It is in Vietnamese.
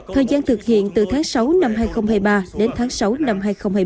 thời gian thực hiện từ tháng sáu năm hai nghìn hai mươi ba đến tháng sáu năm hai nghìn hai mươi